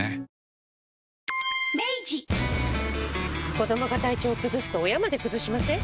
子どもが体調崩すと親まで崩しません？